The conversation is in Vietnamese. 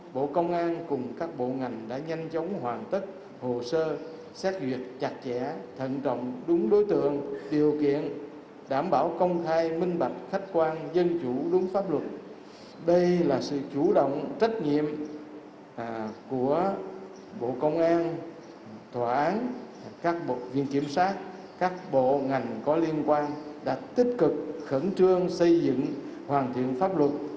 bộ công an thỏa án các bộ viên kiểm soát các bộ ngành có liên quan đã tích cực khẩn trương xây dựng hoàn thiện pháp luật